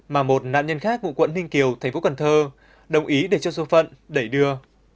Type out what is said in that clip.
mà một nạn nhân khác ngụ quận ninh kiều thành phố cần thơ đồng ý để cho số phận để đưa